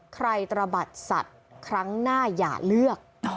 ตระบัดสัตว์ครั้งหน้าอย่าเลือก